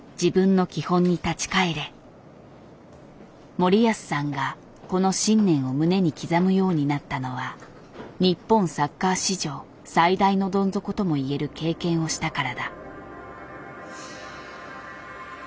森保さんがこの信念を胸に刻むようになったのは日本サッカー史上最大のどん底とも言える経験をしたからだ。